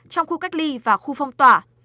trong khu cách ly và khu phong tỏa